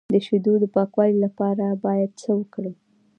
د شیدو د پاکوالي لپاره باید څه وکړم؟